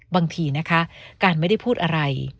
บางทีนะคะการไม่ได้พูดอะไร